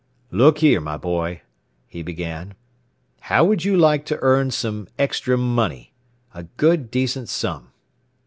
"Look here, my boy," he began, "how would you like to earn some extra money a good decent sum?"